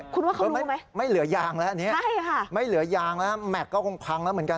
คุณว่าเขารู้ไหมใช่ค่ะไม่เหลือยางแล้วแม็กก็คงพังแล้วเหมือนกัน